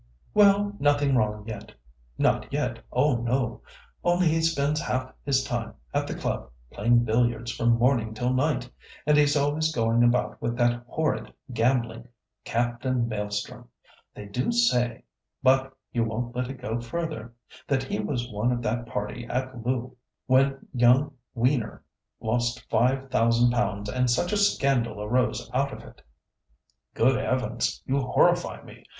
"Well, nothing wrong yet. Not yet; oh, no! Only he spends half his time at the club, playing billiards from morning till night, and he's always going about with that horrid gambling Captain Maelstrom. They do say—but you won't let it go further—that he was one of that party at loo when young Weener lost five thousand pounds, and such a scandal arose out of it." "Good heavens! You horrify me!